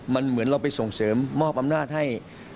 มันเหมือนเราไปส่งเสริมมอบอำนาจให้